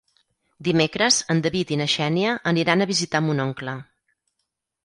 Dimecres en David i na Xènia aniran a visitar mon oncle.